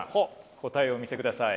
答えをお見せください。